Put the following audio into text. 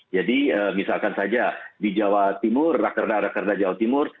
jadi misalkan saja di jawa timur rakerdat rakerdat jawa timur